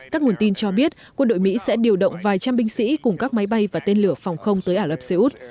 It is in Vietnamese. các nguồn tin cho biết quân đội mỹ sẽ điều động vài trăm binh sĩ cùng các máy bay và tên lửa phòng không tới ả rập xê út